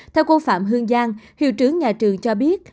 theo cô phạm hương giang hiệu trưởng nhà trường cho biết